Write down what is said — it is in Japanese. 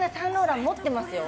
私も持ってますよ。